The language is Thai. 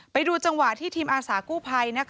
ไปดูจังหวะที่ทีมอาสากู้ภัย